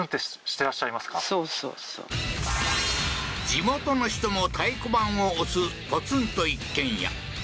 地元の人も太鼓判を押すポツンと一軒家。